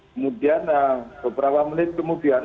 kemudian beberapa menit kemudian